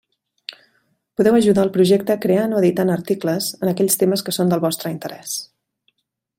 Podeu ajudar al projecte creant o editant articles en aquells temes que són del vostre interès.